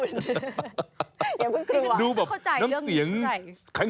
ยังเพิ่งกลัวดูแบบน้ำเสียงแข็ง